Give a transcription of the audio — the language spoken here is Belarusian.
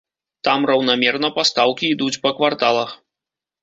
Там раўнамерна пастаўкі ідуць па кварталах.